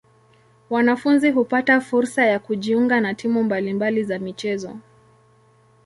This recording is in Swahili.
Wanafunzi hupata fursa ya kujiunga na timu mbali mbali za michezo.